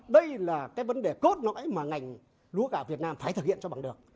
đây là vấn đề cốt nỗi mà ngành lúa gạo việt nam phải thực hiện cho bằng được